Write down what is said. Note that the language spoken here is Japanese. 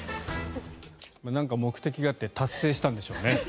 なんか目的があって達成したんでしょうね。